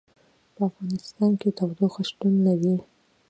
په افغانستان کې تودوخه شتون لري.